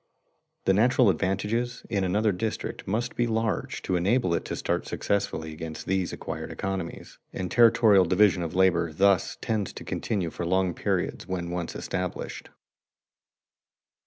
The natural advantages in another district must be large to enable it to start successfully against these acquired economies, and territorial division of labor thus tends to continue for long periods when once established.